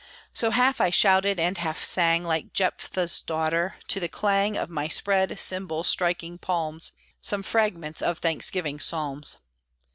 So half I shouted, and half sang, Like Jephtha's daughter, to the clang Of my spread, cymbal striking palms, Some fragments of thanksgiving psalms.